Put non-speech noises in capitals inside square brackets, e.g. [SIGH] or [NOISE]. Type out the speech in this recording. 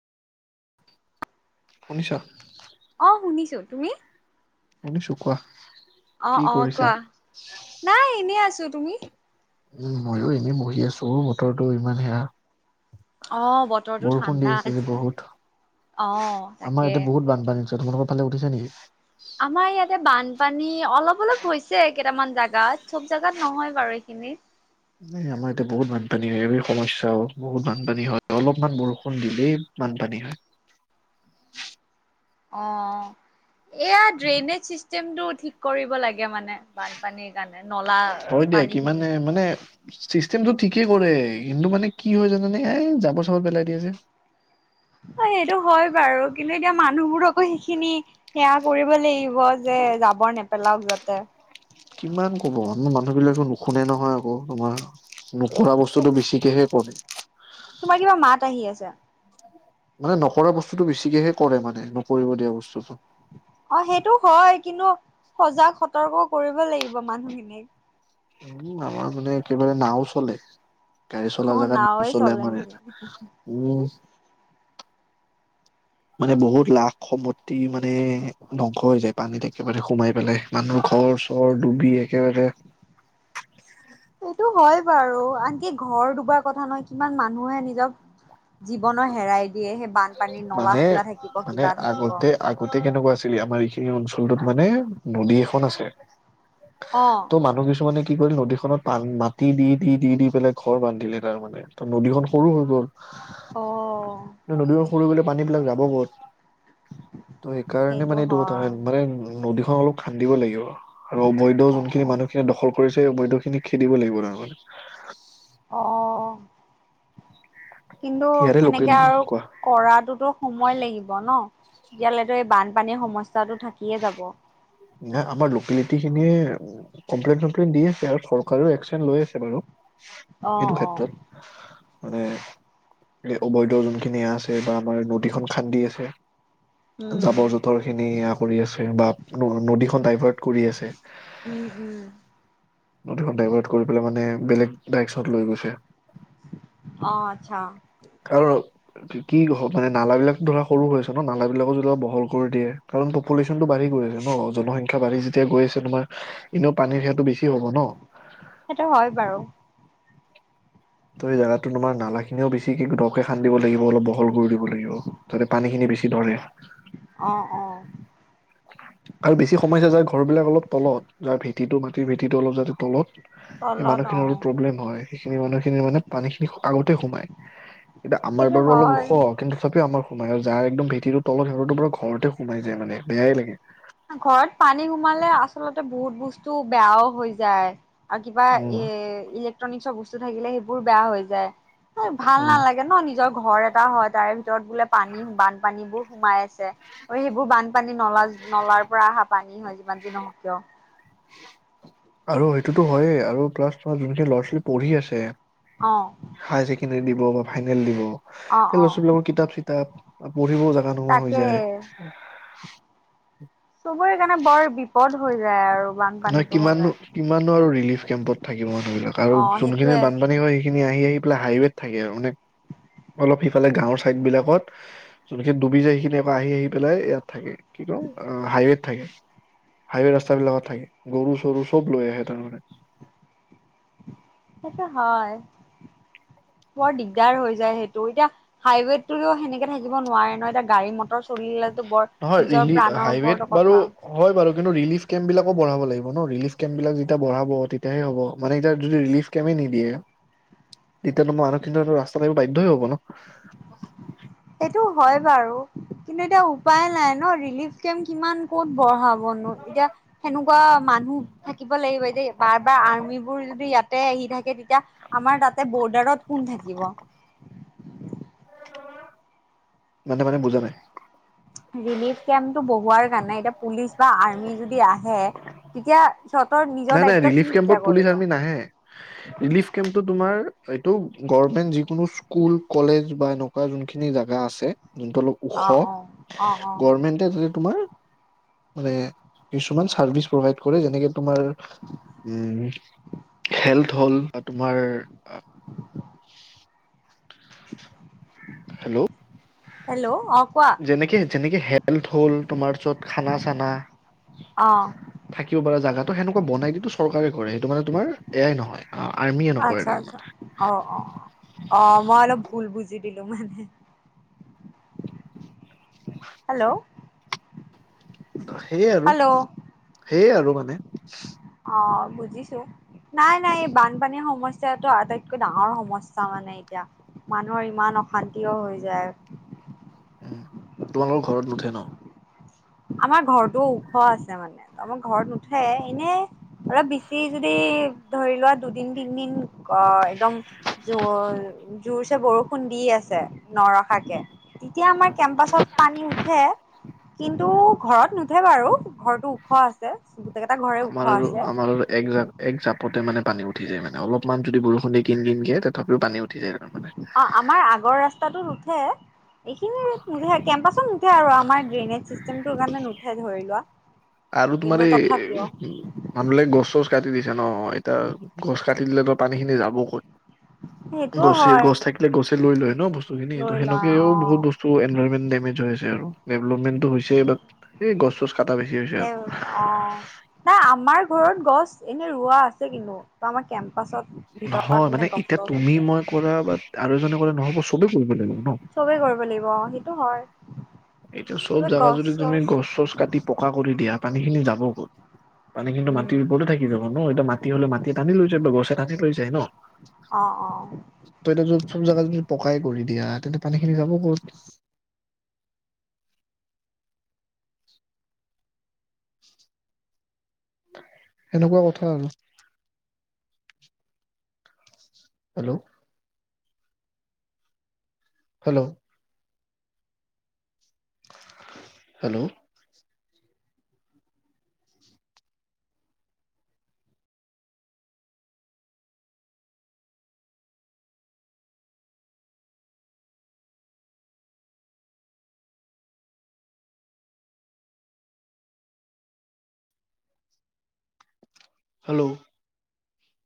শুনিছ? অঁ' শুনিছোঁ, তুমি? শুনিছোঁ, কোৱা? কি অঁ' অঁ' কৰিছা? কোৱা, নাই এনেই আছোঁ, তুমি? উমঁ' মইয়ো এনেই বহি আছোঁ, বতৰটো ইমান সেয়া। অ বতৰটো বৰষুণ দি ঠাণ্ডা আছে যে আজি বহুত, অ তাকে আমাৰ ইয়াতে বহুত বানপানী হৈ তোমালোকৰ ফালে উঠিছে নেকি? আমাৰ ইয়াতে বানপানী অলপ অলপ হৈছে কেইটামান জাগাত, চ'ব জেগাত নহয় বাৰু এইখিনি। আমাৰ ইয়াতে বহুত বানপানী হয়, এই সমস্যাও বহুত বানপানী হয়, অলপমান বৰষুণ দিলেই- বানপানী হয়। অ এয়া ড্ৰেইনেজ চিষ্টেমটো ঠিক কৰিব লাগে মানে বান পানীৰ কাৰণে নলা, হয় দিয়া পানী কিমানে খিনি মানে চিষ্টেম টো ঠিকেই কৰে কিন্তু মানে কি হ'য় জানানে, এই জাবৰ চাবৰ পেলাই দিয়ে জে। অ', সেইটো হয় বাৰু, কিন্তু এতিয়া মানুহবোৰ আকৌ সেইখিনি সেয়া কৰিব লাগিব যে যাব নেপেলাওঁক যাতে। কিমান ক'ব মানুহবিলাকো নুশুনে নহ'য় আকৌ তোমাৰ। নকৰা বস্তুতটো বেছিকেহে কৰে। তোমাৰ কিবা মাত আহি আছে। মানে নকৰা বস্তুতটো বেছিকেহে কৰে মানে, নকৰিব দিয়া বস্তুটো। অ', সেইটো হয় কিন্তু, সজাগ সতৰ্ক কৰিব লাগিব মানুহখিনিক। উম, আমাৰ মানে একেবাৰে নাওঁ চলে। গাড়ী চলা অ জেগাত নাওৱে নচ'লে চলে আমাৰ ইয়াত, নেকি উম। মানে বহুত লাখ সম্পত্তি মানে ধ্বংস হৈ যায়, পানীত একেবাৰে সোমাই পেলাই মানুহ ঘৰ চৰ ডুবি একেবাৰে সেইটো হয় বাৰু, আনকি ঘৰ ডুবাৰ কথা নহয় কিমান মানুহে নিজক জীৱনৰ হেৰাই দিয়ে, সেই বানপানীৰ নলা মানে খোলা থাকিব মানে কিবা থাকিব আগতে আগতে কেনেকুৱা আছিল, আমাৰ এইখিনি অঞ্চলটোত মানে নদী এখন আছে। অ'। তো মানুহ কিছুমানে কি কৰিলে, নদীখনত মাটি দি, দি, দি, দি পেলাই ঘৰ বান্ধিলে তাৰ মানে ত নদীখন সৰু হৈ গ'ল। অ'। নদীবোৰ সৰু গ'লে পানী বিলাক যাব ক'ত। ত' সেইকাৰণে সেইটো মানে এইটো ত হয় কথা মানে নদীখন অলপ খান্দিব লাগিব, আৰু অবৈধ অ যোনখিনি মানুহখিনি দখল কৰিছে সেই অবৈধ খিনি খেদিব লাগিব তাৰমানে। অ', অ'। কিন্তু ইয়াৰে লোকেল সেনেকে আৰু কোৱা কৰাটোতো সময় লাগিব ন, তেতিয়া লৈকে এই বানপানীৰ সমস্যাটো থাকিয়ে যাব। নে আমাৰ লোকেলিটি খিনিয়ে কমপ্লেইন চমপ্লেইন দি আছে, আৰু চৰকাৰেও একচন লৈ আছে বাৰু। অ সেইটো অ ক্ষেত্ৰত, মানে এই অবৈধ যোনখিনি আছে বা আমাৰ নদিখন খান্দি আছে, উম যাবৰ জোথৰ খিনি কৰি আছে, বা নদীখন ডাইভাৰ্ট কৰি আছে। উম উম নদীখন ডাইভাৰ্ট কৰি পেলাই মানে বেলেগ ডাইকচত লৈ গৈছে। অ', আচ্ছা। আৰু কিনো হ'ব মানে নালাবিলাক ধৰা সৰু হৈছে ন, নালবিলাকো বহল কৰি দিয়ে, কাৰণ ত পলিচনতটো বাঢ়ি গৈছে ন, জনসংখ্যা বাঢ়ি যেতিয়া গৈ আছে তোমাৰ এনেও পানীৰ সেৱাটো বেছি হ'ব ন। সেইটো হ'য় বাৰু। ত' এই জাগাটো তোমাৰ নালাগিলেঁও বেছিকে দ'কে খান্দিব লাগিব, অলপ বহল কৰি দিব দিব লাগিব, যাতে পানী খিনি বেছি ধৰে। অ', অ'। আৰু বেছি সময়স্যা যায় ঘৰ বিলাক অলপ তলত, যাৰ ভেটিটো মাটি ভেটিটো অলপ যাতে তলত সেই তলত মানুহখিনিৰ অলপ অ', প্ৰব্লেম হ'য়, সেইখিনি মানুহখিনি মানে পানী খিনি আগতে সোমাই। এতিয়া আমাৰ সেইটো বাৰু অলপ হয়। ওখ। কিন্তু তথাপিও আমাৰ সোমায়েই আৰু যাৰ একদম ভেটিটো তলত সিহঁতৰ পুৰা ঘৰতে সোমাই যায় মানে বেয়াই লাগে। ঘৰত পানী সোমালে আচলতে বহুত বস্তু বেয়াও হৈ যায়। আৰু কিবা উম এ ইলেক্ট্ৰনিকছৰ বস্তু থাকিলে সেইবোৰ বেয়া হৈ যায়। ভাল উম, নালাগে ন নিজৰ ঘৰ এটা হয় তাৰে ভিতৰত বোলে পানী বানপানী বোৰ সোমাই আছে। অ সেইবোৰ বানপানী নলা নলাৰ পৰা অহা পানী হয় যিমান যি নহওঁক কিয় আৰু সেইটোতো হয়েই আৰু প্লাছ তোমাৰ যোনখিনি ল'ৰা-ছোৱালী পঢ়ি অ', আছে হাই চেকেণ্ডৰী দিব বা ফাইনেল দিব অ', সেই অ', বস্তু বিলাকত কিতাপ চিতাপ পঢ়িবও জাগা নোহোৱা হৈ তাকে যায়। চবৰে কাৰণে বৰ বিপদ হৈ যায় আৰু নহয় বানপানীটো হ'লে। কিমাননো কিমাননো আৰু ৰিলিফ কেম্পত থাকিব মানুহবিলাক আৰু অ', যোনখিনিৰ সেইটোয়ে বানপানী হয় সেই খিনি আহি আহি পেলাই হাইৱেত থাকে আৰু মানে অলপ সিফালে গাঁৱৰ চাইদ বিলাকত যোনখিনি ডুবি যায় সেইখিনি আহি আহি পেলাই ইয়াত থাকে। কি কম হাইৱেত থাকে। হাইৱে ৰাস্তা বিলাকত থাকে গৰু চৰু চব লৈ আহে তাৰমানে। সেইটো হয় বৰ দিগদাৰ হৈ যায় সেইটো এতিয়া হাইৱেতোটো সেনেকে থাকিব নোৱাৰে ন এতিয়া গাড়ী-মটৰ চলিলেতো বৰ নহয় নিজৰ ৰিলি প্ৰাণৰ ওপৰতো হাইৱেত বাৰু কথা হয় বাৰু কিন্তু ৰিলিফ কেম্প বিলাকো বঢ়াব লাগিব ন ৰিলিফ কেম্প বিলাক যেতিয়া বঢ়াব তেতিয়াহে হ'ব মানে এতিয়া যদি ৰিলিফ কেমে নিদিয়ে তেতিয়াতো মানুহখিনিতো ৰাস্তা লৈ আহিবলৈ বাধ্যই হ'ব ন সেইটো হয় বাৰু। কিন্তু এতিয়া উপায় নাই ন ৰিলিফ কেম্প কিমান ক'ত বঢ়াবনো এতিয়া সেনেকুৱা মানুহ থাকিব লাগিব এতিয়া বাৰ বাৰ আৰ্মিবোৰ যদি ইয়াতে আহি থাকে তেতিয়া আমাৰ তাতে বৰ্ডাৰত কোন থাকিব? মানে মানে বুজা নাই ৰিলিফ কেম্পটো বহোৱাৰ কাৰণে এতিয়া পুলিচ বা আৰ্মি যদি আহে তেতিয়া সিহঁতৰ নি নাই নাই ৰিলিফ কেম্পত পুলিচ, আৰ্মি নাহে। ৰিলিফ কেম্পটো তোমাৰ এইটো গভৰ্মেন্ত যিকোনো স্কুল, কলেজ বা এনেকুৱা যোনখিনি জেগা আছে যোনটো অলপ অ অ অ অ ওখ গভমেণ্ট তে তাতে তোমাৰ মানে কিছুমান চাৰ্ভিচ প্ৰভাইত কৰে যেনেকে তোমাৰ উম হেল্থ হ'ল বা তোমাৰ হেল্ল' হেল্ল' অ কোৱা যেনেকে যেনেকে হেল্থ হ'ল তোমাৰ য'ত খানা চানা অ', থাকিব পৰা জাগা তো সেনেকা বনাই দিটুছু চৰকাৰে কৰে সেইটো মানে তোমাৰ এয়াই নহয় অ আৰ্মিয়ে নকৰে আচ্ছা আচ্ছা তাৰমানে। অ অ অ অ মই অলপ ভুল বুজি দিলোঁ মানে। হেল্ল' সেইয়ে আৰু হেল্ল' সেইয়ে আৰু মানে। অ বুজিছোঁ। নাই নাই এই বানপানীৰ সমস্যাটো আটাইতকৈ ডাঙৰ সমস্যা মানে এতিয়া। মানুহৰ ইমান অশান্তিও হৈ যায়। উম তোমালোকৰ ঘৰত নুঠে ন? আমাৰ ঘৰতো ওখ আছে মানে আমাৰ ঘৰত নুঠে এনেই অলপ বেছি যদি ধৰি লোৱা দুদিন, তিনদিন অ একদম জোৰ জোৰছে বৰষুণ দি আছে নৰখাকে। তেতিয়া আমাৰ কেম্পাচত পানী উঠে। [INAUDIBLE] তো ঘৰত নুঠে বাৰু, ঘৰতো ওখ আছে গোটেইকেইটা ঘৰে ওখ আছে। ভাল একজা এক জাপতে মানে পানী উঠি যায় মানে অলপমান যদি বৰষুণ দি কিন কিনকে তথাপিও পানী উ ঠি যায় তাৰমানে। অ আমাৰ আগৰ ৰাস্তাটোত উঠে এইখিনি নুঠে কেম্পাচত সে আৰু আমাৰ ড্ৰেইনেজ চিষ্টেমটোৰ কাৰণে নুঠে ধৰি লোৱা। আৰু তোমাৰ কিন্তু এই তথাপিও মানুহবিলাকে গছ - চছ কাটি দিছে ন এতিয়া গছ কাটি দিলেতো পানীখিনি যাব ক'ত? সেইটোও গছে হয় গছ থাকিলে গছে লৈ লয় ন বস্তুখিনি লৈ ত' লয় সেনেকেও অ বহুত বস চ এনভাইৰনমেন্ট ডেমেজ হৈ আছে আৰু ডেভলপমেণ্টো হৈছে বাট এই গছ - চছ কাটা নে অ, নাই আমাৰ ঘৰত গছ এনেই ৰোৱা আছে কিন্তু আমাৰ কেম্প পাছত নহয় ভিতৰত মানে গছ - এতিয়া চছ তুমি হৈছে। মই কৰা বা আৰু এজনে কৰা নহ'ব চবে কৰিব লাগিব ন? চবেই কৰিব লাগিব অ সেইটো হয়। এইটো চব চবে জাগা গছ যদি তুমি চছ গছ - চছ কাটি পকা কৰি দিয়া পানীখিনি যাব ক''ত? পানী কিন্তু উম মাটিৰ ওপৰতে থাকি যাব ন এতিয়া মাটি হলে মাটি টানি লৈ যায় বা গছে টানি লৈ যায় ন। অ অ। ত এতিয়া যত চব জেগাত যদি পকাই কৰি দিয়া তেন্তে পানীখিনি যাব ক'ত? এনেকুৱা কথা আৰু। হেল্ল'? হেল্ল'? হেল্ল'? হেল্ল'?